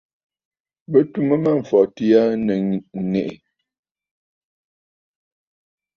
Bɨ tum Mâmfɔtì aa nɨ̀ nèʼè.